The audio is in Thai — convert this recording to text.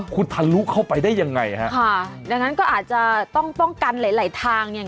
คุณทะลุเข้าไปได้ยังไงฮะค่ะดังนั้นก็อาจจะต้องป้องกันหลายหลายทางเนี่ย